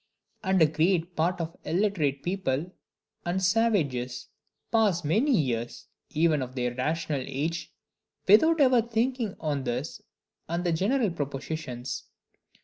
And a great part of illiterate people and savages pass many years, even of their rational age, without ever thinking on this and the like general propositions.